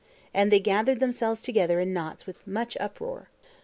And they gathered themselves together in knots with much uproar.